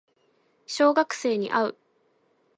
小学生に会う